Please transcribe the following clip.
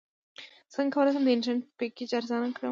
څنګه کولی شم د انټرنیټ پیکج ارزانه کړم